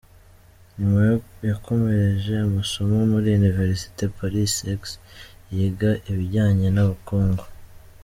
Nyuma yakomereje amasomo muri ‘Université Paris X’ yiga ibijyanye n’ubukungu.